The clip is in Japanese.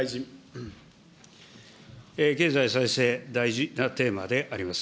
経済再生、大事なテーマであります。